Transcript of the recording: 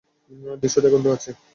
দৃশ্যত, এখন তো আছে।